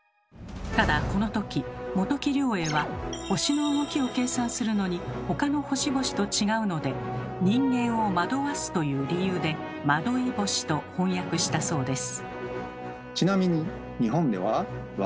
ただこの時本木良栄は星の動きを計算するのに他の星々と違うので「人間を惑わす」という理由で「惑星」と翻訳したそうです。